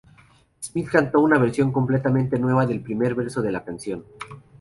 Smith cantó una versión completamente nueva del primer verso de la canción.